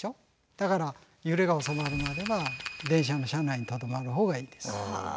だから揺れがおさまるまでは電車の車内にとどまる方がいいです。